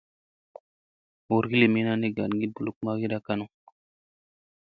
Hurgi lii mina ni, gangi ɓuluk magiɗa kanu.